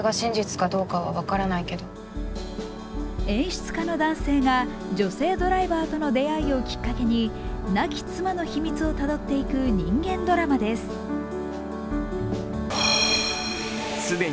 演出家の男性が女性ドライバーとの出会いをきっかけに亡き妻の秘密をたどっていく人間ドラマです。